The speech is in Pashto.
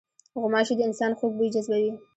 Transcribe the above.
غوماشې د انسان خوږ بوی جذبوي.